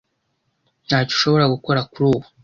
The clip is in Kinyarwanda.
Ntacyo ushobora gukora kuri ubu.